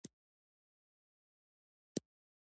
چرګان د افغانستان په اوږده تاریخ کې ذکر شوي دي.